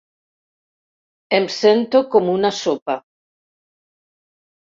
Em sento com una sopa.